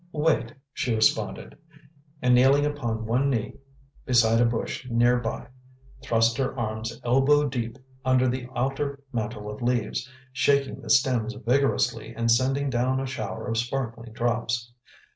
"Wait," she responded, and kneeling upon one knee beside a bush near by, thrust her arms elbow deep under the outer mantle of leaves, shaking the stems vigorously, and sending down a shower of sparkling drops.